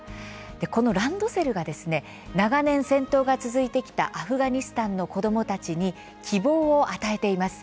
でこのランドセルがですね長年戦闘が続いてきたアフガニスタンの子どもたちに希望を与えています。